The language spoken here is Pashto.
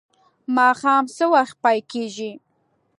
ماښام څه وخت پای کیږي؟